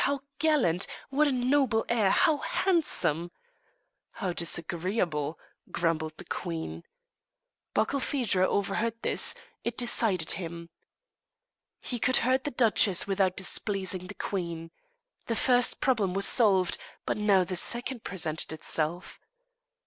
How gallant! What a noble air! How handsome!" "How disagreeable!" grumbled the queen. Barkilphedro overheard this; it decided him. He could hurt the duchess without displeasing the queen. The first problem was solved; but now the second presented itself.